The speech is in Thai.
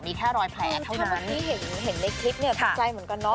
มีแค่รอยแผลเท่านั้นถ้าเมื่อกี้เห็นเห็นในคลิปเนี่ยตกใจเหมือนกันเนาะ